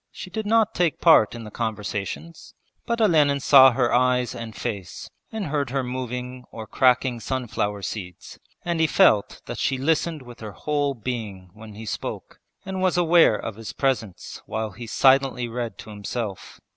She did not take part in the conversations, but Olenin saw her eyes and face and heard her moving or cracking sunflower seeds, and he felt that she listened with her whole being when he spoke, and was aware of his presence while he silently read to himself.